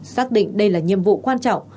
xác định đây là nhiệm vụ quan trọng